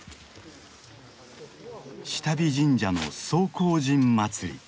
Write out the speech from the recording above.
志多備神社の総荒神祭り。